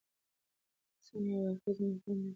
احسان یو اړخیز مفهوم نه دی.